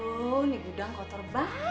duh ini gudang kotor banget ya